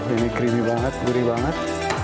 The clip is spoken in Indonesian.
ini creamy banget gurih banget